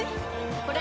これ！